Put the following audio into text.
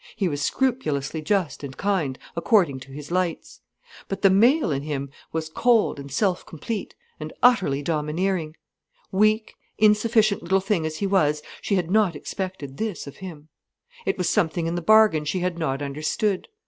He was scrupulously just and kind according to his lights. But the male in him was cold and self complete, and utterly domineering. Weak, insufficient little thing as he was, she had not expected this of him. It was something in the bargain she had not understood.